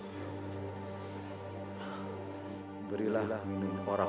cepat menghindar dari situ cepat